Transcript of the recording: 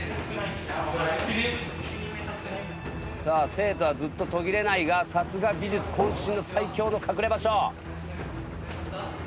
生徒はずっと途切れないがさすが美術渾身の最強の隠れ場所。